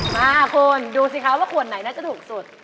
มาคุณดูสิคะว่าขวดไหนน่าจะถูกสุด